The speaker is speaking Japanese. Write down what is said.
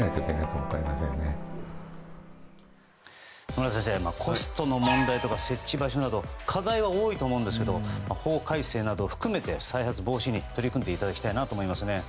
野村先生コストの問題とか設置場所など課題は多いと思うんですけど法改正などを含めて再発防止に取り組んでいただきたいなと思いますね。